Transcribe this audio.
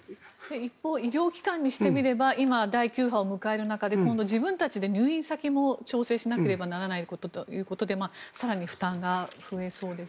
一方医療機関にしてみれば今、第９波を迎える中で自分たちで入院先も調整しなければならないということで更に負担が増えそうです。